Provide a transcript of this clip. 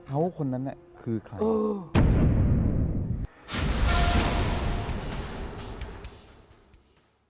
เขาคนนั้นน่ะคือใคร